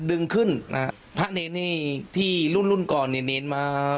ดึงขึ้นอ่าพระเนรนดร์ที่รุ่นรุ่นก่อนเนรนดร์มา